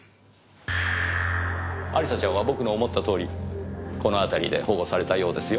亜里沙ちゃんは僕の思った通りこの辺りで保護されたようですよ。